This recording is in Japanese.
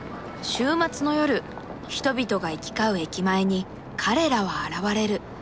週末の夜人々が行き交う駅前に彼らは現れる。